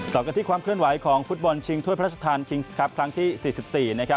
ต่อกันที่ความเคลื่อนไหวของฟุตบอลชิงถ้วยพระราชทานคิงส์ครับครั้งที่๔๔